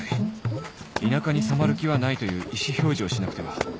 田舎に染まる気はないという意思表示をしなくては